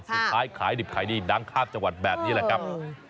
สุดท้ายขายดิบไขดีดังคาดจังหวัดแบบนี้แหละครับ